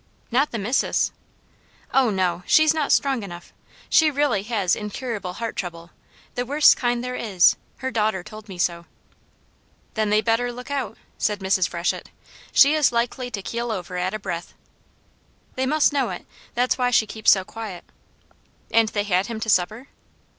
"Not the Missus?" "Oh no! She's not strong enough. She really has incurable heart trouble, the worst kind there is; her daughter told me so." "Then they better look out," said Mrs. Freshett. "She is likely to keel over at a breath." "They must know it. That's why she keeps so quiet." "And they had him to supper?"